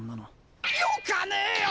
よかねえよ！